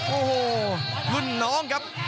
โอ้โหรุ่นน้องครับ